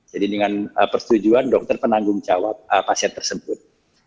dengan persetujuan dokter penanggung jawab pasien tersebut